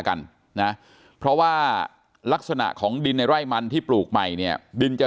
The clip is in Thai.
กันนะเพราะว่าลักษณะของดินในไร่มันที่ปลูกใหม่เนี่ยดินจะ